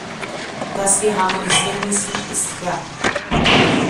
Dass wir harmonisieren müssen, ist klar.